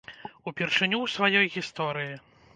Упершыню ў сваёй гісторыі!